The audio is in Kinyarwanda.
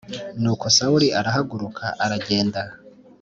Nuko Sawuli arahaguruka arajyenda